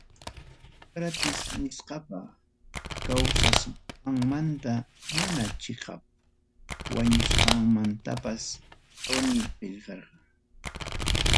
Sócrates nisqapa kawsasqanmanta mana chiqap wañusqanmantapas Platonmi qillqarqa.